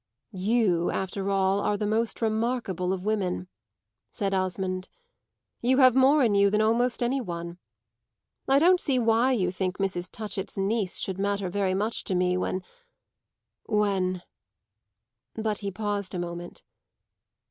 "You, after all, are the most remarkable of women," said Osmond. "You have more in you than almost any one. I don't see why you think Mrs. Touchett's niece should matter very much to me, when when " But he paused a moment.